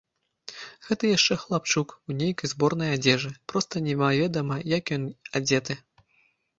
Гэта яшчэ хлапчук, у нейкай зборнай адзежы, проста немаведама як ён адзеты.